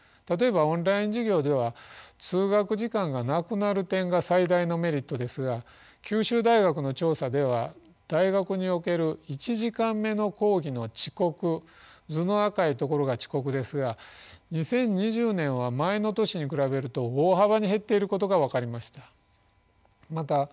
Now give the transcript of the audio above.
例えばオンライン授業では通学時間がなくなる点が最大のメリットですが九州大学の調査では大学における１時間目の講義の遅刻図の赤いところが遅刻ですが２０２０年は前の年に比べると大幅に減っていることが分かりました。